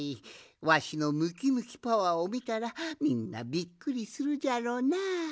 わしのムキムキパワーをみたらみんなびっくりするじゃろうな。